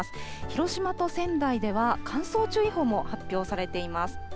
広島と仙台では乾燥注意報も発表されています。